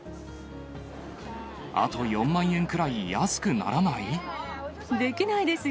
あと４万円くらい安くならなできないですよ。